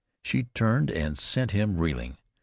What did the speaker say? She turned and sent him reeling.